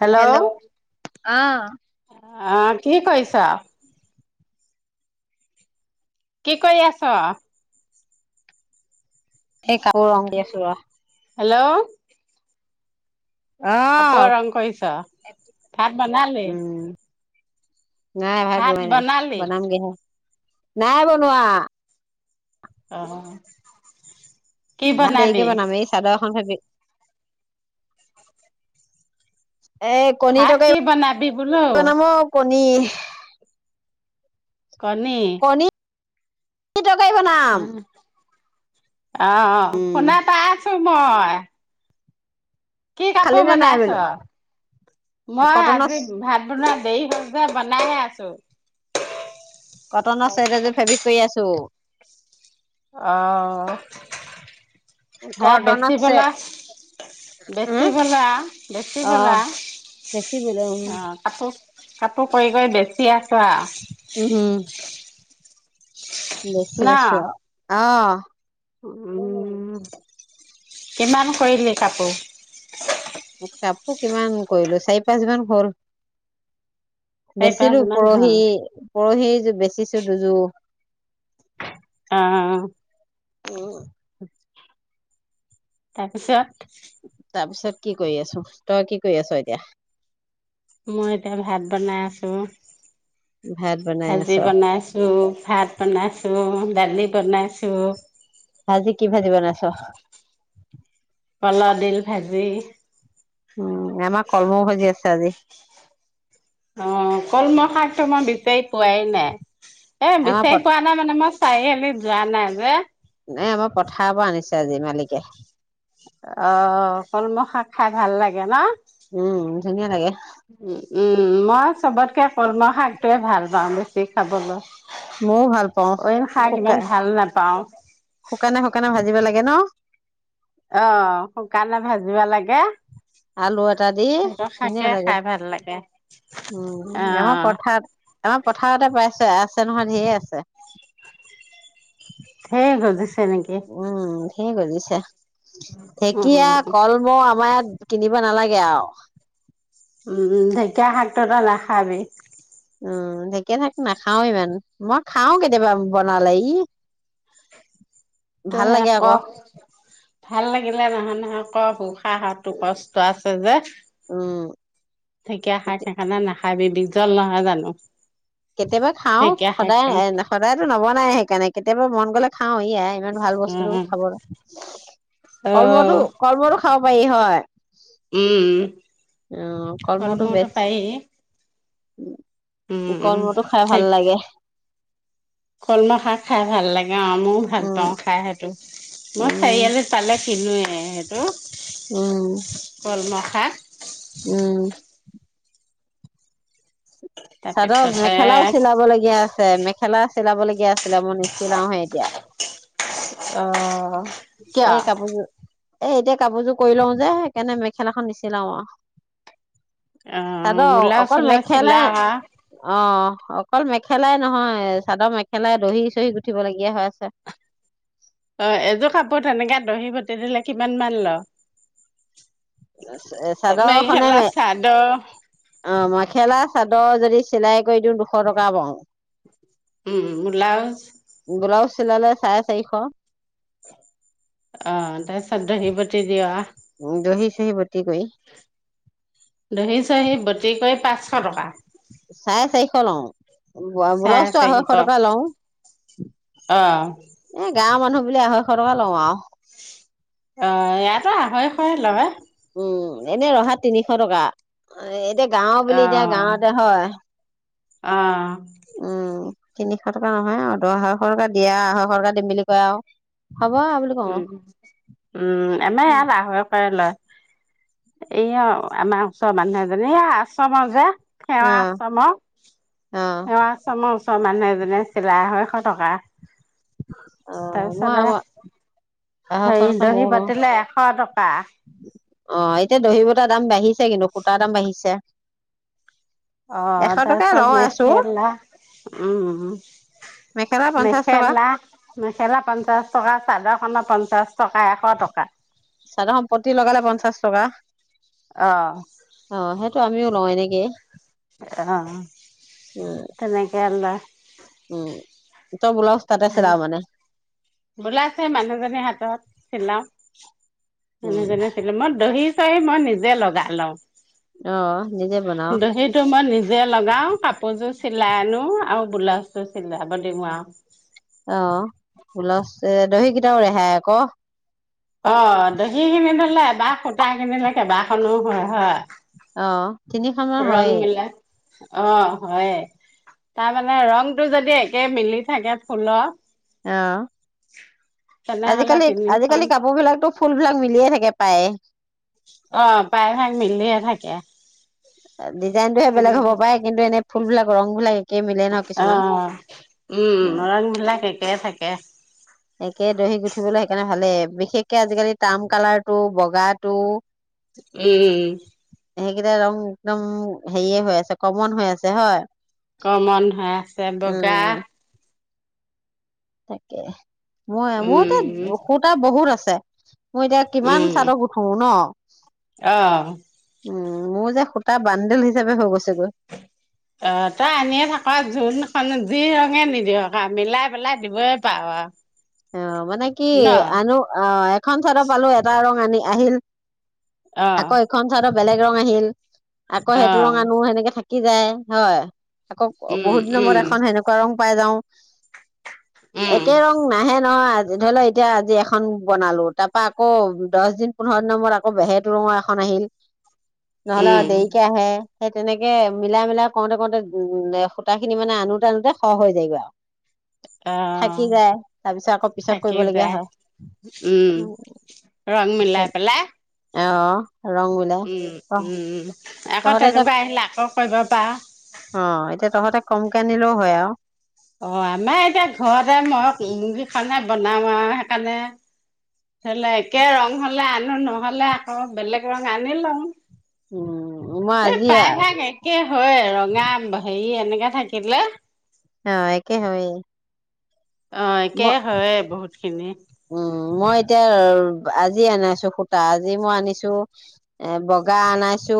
Hello hello আহ অ' কি কৰিছ? কি কৰি আছ? সেই কাপোৰ ৰং দি আছো ৰ'। হ্যালো অ কাপোৰ ৰং কৰিছ? ভাত বনালে? উম নাই ভাত বোনোৱাই নাই বনালি বনামগে হে। নাই বনোৱা। অ'। কি ভাত দেৰিকে বনাবি বনাম এই চাদৰ [inaudible] এ কণী ভাত কি তটকাৰী বনাবি বোলো বনাম অ'। এনেই কণী? কণী তৰকাৰী বনাম। অ অ' উম শুনা পাই‌ আছো। মই কি খালি কাপোৰ নে নাই বোলো বনাইছো মই কটনৰ আজি ভাত বনোৱা দেৰি হল যে বনাইহে আছো কটনৰ চেট এযোৰ ফেব্ৰিক কৰি আছো। অ' হে বেছি কটনৰ চেট বলা বেছি উম বলা বেছি অ বলা বেচিবলৈ উম অ' কাপোৰ কাপোৰ কৰি কৰি বেছি আ উম বেছি ন আছো। আহ। উম কিমান কৰিলে কাপোৰ? কাপোৰ কিমান কৰিলো চাৰি পাঁচ মান হল। এইবাৰ বেচিলো কিমান পৰহি হ'ল পৰহিৰ বেচিছো দুযোৰ। অ'। তাৰপিছত? তাৰপিছত কি কৰি আছো তই কি কৰি আছ এতিয়া? মই এতিয়া ভাত বনাই আছো। ভাত বনাই আছ ভাজি বনাইছো, ভাত বনাইছো। দালি বনাইছোঁ। ভাজি কি ভাজি বনাইছ? কলৰ দিল ভাজি। উম আমাৰ কলমৌ ভাজি আছে আজি। অ' কলমৌ শাকতো মই বিচাৰি পোৱাই নাই এ আমাৰ প বিচাৰি পোৱা নাই মানে মই চাৰিআলিত যোৱা নাই যে। নাই আমাৰ পথাৰৰ পৰা আনিছে আজি মালিকে। অ কলমৌ শাক খাই ভাল লাগে ন। উম। ধুনীয়া লাগে। উ উম মই চবতকে কলমৌ শাকটোৱে ভাল পাওঁ বেছি খাবলৈ। ময়ও ভাল পাও অইন শাক ইমান শুকান ভাল নাপাও। শুকানে শুকানে ভাজিব লাগে ন? অ' শুকানে ভাজিব লাগে। আলু এটা দি সেইটো শাকে ধুনীয়া লাগে খাই ভাল লাগে। উম আমাৰ অ', পথাৰত আমাৰ পথাৰতে পাইছে আ। আছে নহয় [unintelligible] আছে ধেৰ গজিছে নেকি? ধেই গজিছে। উম, ঢেকীয়া কলমৌ আমাৰ ইয়াত কিনিব নালাগে আৰু উম ঢেঁকীয়া শাকটো তই নাখাবি উম ঢেঁকীয়া থাক নাখাও ইমান মই খাও কেতিয়াবা বনালে ইহ। তহেক্ক ভাল লাগিলে নহয়। তো আকৌ উশাহটো কষ্ট আছে যে উম। ঢেঁকীয়া শাক হেকাণে না খাবি বিজ্বল নহয় জানো? কেতিয়াবা খাও ঢেকীয়া সদায় শাকটো সদায়তো নবনাই। নে কেতিয়াবা মন গ'লে খাওঁ ইয়া আই ইমান ভাল বস্তু উম। খাবৰ, কলমৌতো অ', কলমৌতো খাব পাৰি। হয় উম উম, কলমটো পায় উম কলমটো খাই ভাল লাগে কলম খা খাই ভাল লাগে অ ময় ভাল উম, পাওঁ খাই সেইটো মই উম, চাৰিআলি তালে কিনো উম। হা উম চাদৰ তাৰপিছতে মেখেলাও চিলাব লগগীয়া আছে মেখেলা চিলাব লগীয়া আছিলে মই নিচিলাওহে এতিয়া। অ কিয় এই কাপোৰযোৰ এ এতিয়া কাপোৰযোৰ কৰি লও যে সেইকাৰণে মেখেলাখন নিচিলাও আৰু। অ বোলাওলা চিল মেখেলাই হা অ' অকল মেখেলাই নহয় চাদৰ মেখেলাই দহি চহি গুঠিবলগীয়া হৈ আছে। অ' এযোৰ কাপোৰ তেনেকে দহি গুঠি দিলে কিমান মান ল? চাদৰখনে মেখেলা ম চাদৰ অ মই খেলা চাদৰ যদি চিলাই কৰি দিওঁ দুশ টকা পাওঁ উম ব্লাউজ ব্লাউজ চিলালে চাৰে চাৰিশ অ এ চদহি পতি দা [unintelligible] ধহি চহি বতি কৰি পাঁচশ টকা। [unintelligible] ল'ও। চাৰে ব্লাউজটো চাৰিশ আঢ়ৈশ অ টকা ল'ও। অ গাঁৱৰ মানুহ বুলি আঢ়ৈশ টকা লওঁ আৰু। অ ইয়াতো আঢ়ৈশ লয় উম এনে ৰহা তিনিশ টকা এতিয়া গাও অ বুলি এতিয়া গাঁৱতে হয়। অ'। অ তিনিশ টকা নহয় আৰু দহশ টকা দিয়া আঢ়ৈশ টকা দিম বুলি কয় আৰু হ'ব বুলি কওঁ উ উম এনেই ইয়াহৰি পৰা লয় এয়া আমাৰ ওচৰৰ মানুহ এজনী এইয়া আশ্ৰমৰ যে সেৱা অ', আশ্ৰম অ আচ মচ মানুহে [unintelligible] চিলাই আঢ়ৈশ টকা। অ', মই তাৰপিছত আ আঢ়ৈশ হেৰি টকা দহি ময়ো লওঁ পাতিলে এশ টকা। অ', এতিয়া দহি দাম বাঢ়িছে। কিন্তু হোতা দাম বাঢ়িছে এশ অ' টকাই তাৰপিছত লওঁ আছো মেখেলা উম মেখেলা পঞ্চাশ টকা মেখেলা। মেখেলা পঞ্চাশ টকা চাদৰ খন পঞ্চাশ টকা এশ টকা চাদৰখন পতি লগালে অ টো আমিও লওঁ এনেকে অ', উম, তেনেকেলা উম তই ব্লাউজ তাতে হম, চিলাও মানে ব্লাউছ সেই মানুহজনী হাতত চিলাও। তেনে উম, জনেছিলে মই দহি মই নিজে লগাই লও অ', নিজে বনাও দসিটো মই নিজে লগাও কাপোৰ যো চিলাই আনো আৰু ব্লাউজটো চিলাব দিওঁ আৰু। ছে, দহি কেইটাও ৰেহাই আকো। অ', দহি কিনি থলে, এবাৰ সূতা কিনি ল'লে কেইবাখনো হয়, হয়? অ'। তিনিশমা ৰং হয়ে। মিলাই অ', হয়ে, তাৰমানে ৰংটো যদি একে মিলি থাকে ফুলৰ। অ', তেনেহলে আজিকালি, তিনিখন আজিকালি কাপোৰ বিলাকতো ফুল বিলাক মিলিয়ে থাকে। পায়ে। অ প্ৰায়ভাগ মিলিয়ে থাকে ডিজাইনটোহে বেলেগ হ'ব পাৰে, কিন্তু এনে ফুলবিলাক ৰংবিলাই অ', উম, ৰং বিলাক একে থাক কে। একে দহি গুঠিবলৈ সেইকাৰণে ভালে বিশেষকে আজিকালি তাম কালাৰ টো বগাটো উম। সেইকেইটা ৰং একদম হেৰিয়ে হৈ আছে কমন হৈ আছে হয় কমন হৈ আছে, বগা উম তাকে মই মোৰ উম তাত সূতা বহুত আছে উ [unintelligible] মই এতিয়া কিমান চাদৰ গুঠো ন? [unintelligible] অহ উম, মোৰ যে সূতা বান্দেল হিচাপে হৈ গৈছেগৈ। অ', তই আনিয়ে থাক, জোনখন যি ৰঙে নিদিয়ক আ মিলাই পেলাই দিবই পাৰ আৰু। অ মানে কি ন আনো অ এখন চাদৰ পালো এটা ৰ পানী আহিল। অ আকৌ এইখন চাদৰ বেলেগ ৰং আহিল। আকৌ অ সেইটো ৰঙ আনো সেনেকে থাকে থাকি যায়। হয় আকৌ উম বহুত দিনৰ মূৰত উম এখন সেনেকুৱা ৰং পাই যাওঁ। উম। হে নহয় আজ, ধৰি ল এতিয়া আজি এখন বনালো, তাৰ পা আকৌ দছ দিন, পোন্ধৰ দিনৰ মূৰত আকৌ হেতু ৰঙৰ এখন আহিল। নহ'লে উম দেৰিকে আহে সেই তেনেকে মিলাই মিলাই কৰোঁতে কৰোঁতে, সূতা খিনি মানে আনোতে আনোতে সৰহ হৈ যায়গৈ আৰু। থাকি অ'। যায় তাৰ পিছত আকৌ পিছত থাকিয়েই কৰিবলগীয়া যায়। হয় উম। ৰং মিলাই পেলাই অ'। ৰং মিলাই। উম অ উম আকৌ তহঁতে এতিয়া তেনেকুৱা আহিলে আকৌ কৰিব পাৰ। অ এতিয়া তহঁতে কমকে আনিলেও হয় আ অ আমাৰ এতিয়া ঘৰতে মই ম বনাও আৰু সেইকাৰণে ধৰি ল একে ৰং হলে আনো নহলে আকৌ বেলেগ ৰং আনি লওঁ উম। মই এই আজি প্ৰায়ভাগ একে হৈয়ে, ৰঙা হেৰি তেনেকে থাকিলে অ', একে হয়েই। অ', একে হৈয়ে বহুত খিনি। উম মই এতিয়া আজি আনাইছো সূতা আজি মই আনিছো এ বগা আনাইছো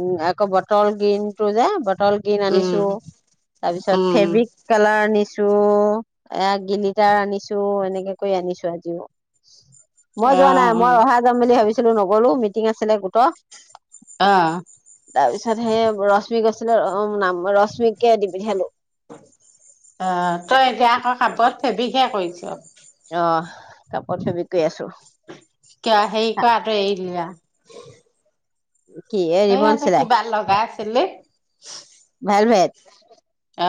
উ আকৌ বটল গ্ৰীণ টো যে ব বটল গ্ৰীন আনিছো উম, তাৰ পিছত উম। ফেব্ৰিক কালাৰ আনিছো। টো এ গিলিটাৰ আনিছো এনেকে কৰি আনিছো। চজিিব মই যোৱা নাই মই অ', অহা যাম বুলি ভাবিছো নগলো মিটিং আছিলে গোটৰ। অ তাৰপিছত সেই ৰশ্মি গৈছিলে অ নাম ৰশ্মিকে দি পঠিয়ালোঁ। অ তই এতিয়া আকৌ খাপত। হেভিকৈ কৰিছো। অ', কাপোৰ চেবি কৰি আছো। কিয় হেৰি কৰাটো এৰি দিলা? কি হৰি বনছিলে তেনে ভেল ভেট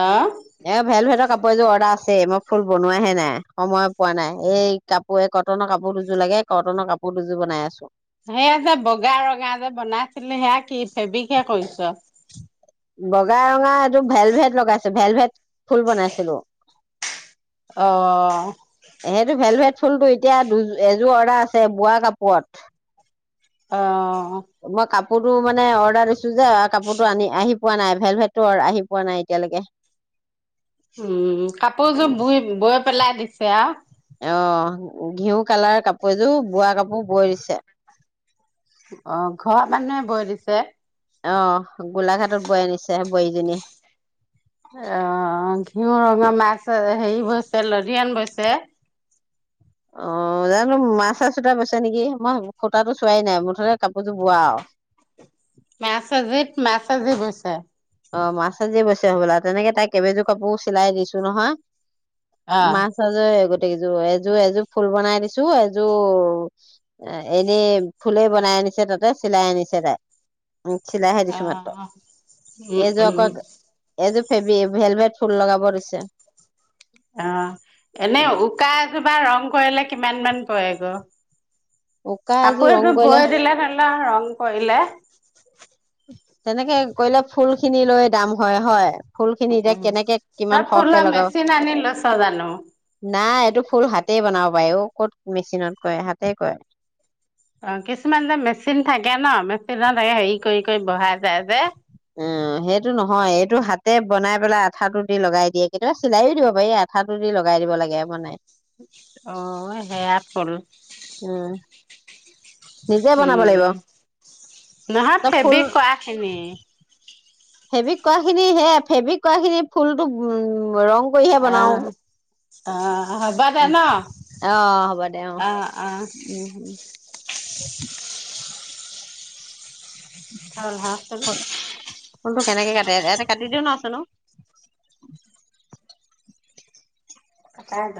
আহ এ ভেল ভেটৰ কাপোৰ এযোৰ অৰ্ডাৰ আছেই মই ফুল বনোৱাহে নাই সময় পোৱা নাই এই কাপোৰ এই কটনৰ কাপোৰ দুযোৰ লাগে কটনৰ কাপোৰ দুযোৰ বনাই আছো সেয়া যে বগা ৰঙা যে বনাইছিলি সেয়া কি ফেব্ৰিকহে কৰিছ? বগা ৰঙা এইটো ভেল ভেদ লগাইছে ভেল ভেট ফুল বনাইছিলো অহ। সেইটো ভেলভেট ফুলটো এতিয়া দু এযোৰ অৰ্ডাৰ আছে বোৱা কাপোৰত অ মই কাপ সো মানে অৰ্ডাৰ যে কাপোৰতটো আনি আহি পোৱা নাই ভেল ভেটো আহি পোৱা নাই এতিয়ালৈকে। উম, কাপোৰযোৰ বুই ব পেলাই দিছে আৰু আহ ঘিউ কালাৰ কাপোৰ এযোৰ বোৱা কাপোৰ বৈ দিছে। অ ঘৰৰ মানুহে বৈ দিছে। অ গোলাঘাটৰ বোৱাৰী আনিছে বোৱাৰীজনী অ ঘিউ ৰঙা মাছ হেৰি বৈছে লৰিয়ান বৈছে। অ জানো মা চা চোত বৈছে নেকি মই সুতটো চোৱাই নাই মুঠতে কাপোৰযোৰ বোৱা আৰু [unintelligible] অ [unintelligible] হবলা তেনেকে তাই কেইবাযোৰ কাপোৰ চিলাই দিছো নহয়। অ', মাছ আাজৰে গ কযোৰ এযোৰ এযোৰ ফুল বনাই দিছো এযোৰ এনেই ফুলেই বনাই আনিছে তাতে চিলাই আনিছে তাই। উম, চিলাইহে দিছো মাত্ৰ। অ', উম, এইযোৰ উম, আকৌ উম। এইযোৰ ফেবিয়ে ভেলভেট ফুল লগাব দিছে। অ এনে উম উকা এযোৰত কা ৰং কৰিলে কিমান মান পৰিব। উকা এযোৰ ৰং কাপোৰযোৰ কৰিলে বৈ দিলে ভাল আৰু ন কৰিলে। তেনেকে কৰিলে ফুলখিনি লৈ দাম হয়, হয়। ফুল খিনি এতিয়া কেনেকে কিমান তই সৰহকে ফুলৰ লগাব মেচিন আনি লৈছ জানো? নাই এইটো ফুল হাতেই বনাব পাৰি অ ক'ত মেচিনত কয় হাতে কয় অ', কিছুমান যে, মেচিন থাকে ন? মেচিনত হেৰি কৰি, কৰি বহাই যায় যে। অ', সেইটো নহয় এইটো হাতে বনাই পেলাই আঠাটো দি লগাই দিয়ে কেতিয়াবা চিলাইও দিব পাৰি আঠাটো দি লগাই দিব লাগে বনাই। অঁ সেয়াত থলো উম নিজে বনাব লাগিব উম, নহয় তই ফুল ফেবিক কআখিনি ফেব্ৰিক কৰা খিনি সে ফেব্ৰিক কৰা খিনি ফুলতো উ ৰং কৰিহে বনাও অহ, অহ, হ'ব দে ন? অ হ'ব অহ, অহ। উ [unintelligible] ফুলটো কেনেকে কাটি ইয়াতে কাটি দিও ন আছো ন [unintelligible]